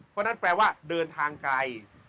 เพราะฉะนั้นแปลว่าเดินทางไกล